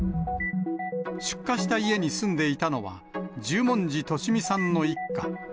出火した家に住んでいたのは、十文字利美さんの一家。